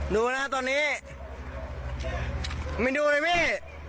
ดูนะฮะตอนนี้ไม่ดูเลยเม่ย์